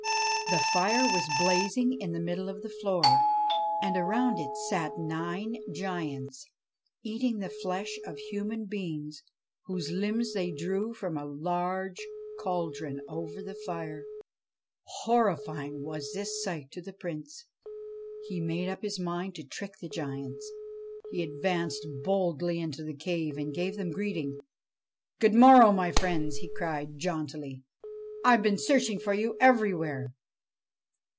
The fire was 99 BASHTCHELIK blazing in the middle of the floor, and round it sat nine giants, eating the flesh of human beings, whose limbs they drew from a huge cauldron over the fire. Horrifying was this sight to the Prince. He made up his mind to trick the giants. He advanced boldly into the cave and gave them greeting. ' Good morrow, my friends/ he cried jauntily ;' I Ve been search ing for you everywhere.'